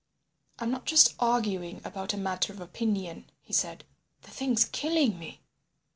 "I'm not just arguing about a matter of opinion," he said. "The thing's killing me."